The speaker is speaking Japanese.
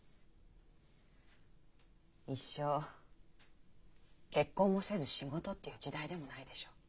一生結婚もせず仕事っていう時代でもないでしょう。